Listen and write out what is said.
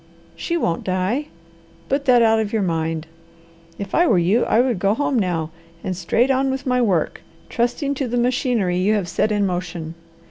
She won't die; put that out of your mind. If I were you I would go home now and go straight on with my work, trusting to the machinery you have set in motion.